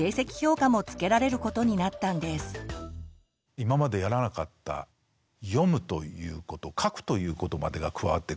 今までやらなかった「読む」ということ「書く」ということまでが加わってくる。